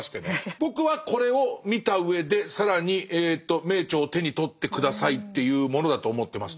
僕はこれを見たうえで更にえと名著を手に取って下さいっていうものだと思ってます。